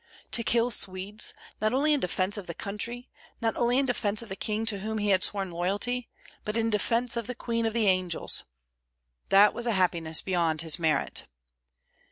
To kill Swedes, not only in defence of the country, not only in defence of the king to whom he had sworn loyalty, but in defence of the Queen of the Angels, that was a happiness beyond his merit.